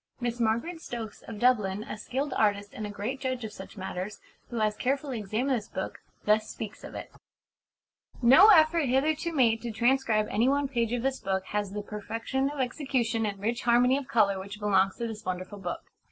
Miss Margaret Stokes, of Dublin, a skilled artist and a great judge of such matters, who has carefully examined this book, thus speaks of it: "No effort hitherto made to transcribe any one page of this book has the perfection of execution and rich harmony of colour which belongs to this wonderful book.